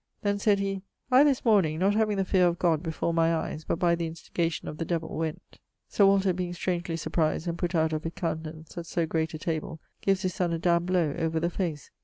Then sayd he, 'I, this morning, not having the feare of God before my eies but by the instigation of the devill, went....' Sir Walter being strangely surprized and putt out of his countenance at so great a table, gives his son a damned blow over the face.